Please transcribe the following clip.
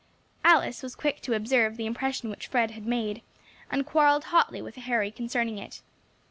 Alice was quick to observe the impression which Fred had made, and quarrelled hotly with Harry concerning it.